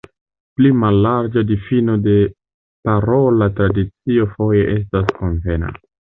Pli mallarĝa difino de parola tradicio foje estas konvena.